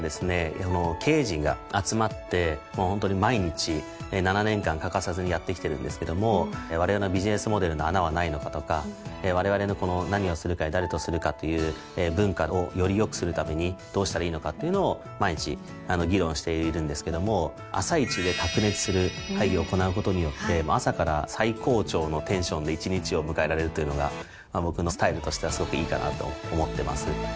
経営陣が集まってホントに毎日７年間欠かさずにやってきてるんですけどもわれわれのビジネスモデルの穴はないのかとかわれわれの「何」をするかより「誰」とするかという文化をより良くするためにどうしたらいいのかっていうのを毎日議論しているんですけども朝一で白熱する会議を行うことによって朝から最高潮のテンションで一日を迎えられるというのが僕のスタイルとしてはすごくいいかなと思ってます。